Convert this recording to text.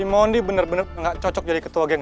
mereka pakai hujan